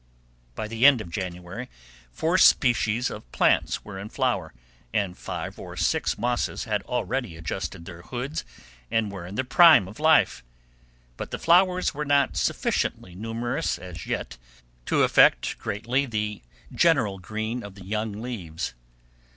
By the end of January four species of plants were in flower, and five or six mosses had already adjusted their hoods and were in the prime of life; but the flowers were not sufficiently numerous as yet to affect greatly the general green of the young leaves.